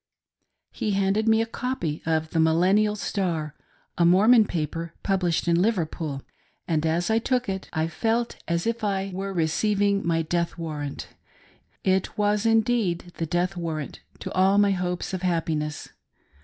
He handed me a copy of the Millennial Star— 2, Mormon paper published in Liverpool — and as I took it, I felt as if I "celestial marriage." 135 were receiving my death warrant :— it was indeed the death warrant to all my hopes of happiness.